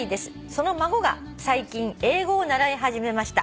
「その孫が最近英語を習い始めました」